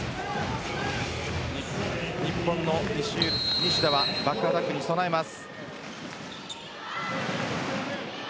西田はバックアタックに備えます。